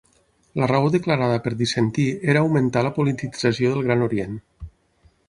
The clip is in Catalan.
La raó declarada per dissentir era augmentar la politització del Gran Orient.